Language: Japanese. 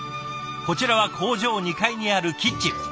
こちらは工場２階にあるキッチン。